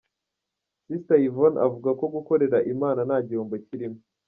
Sister Yvonne avuga ko gukorera Imana nta gihombo kirimo.